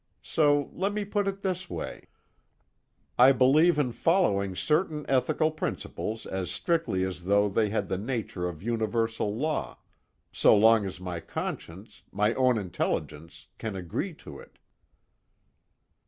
So let me put it this way: I believe in following certain ethical principles as strictly as though they had the nature of universal law, so long as my own conscience, my own intelligence, can agree to it."